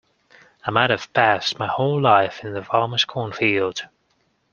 I might have passed my whole life in the farmer's cornfield.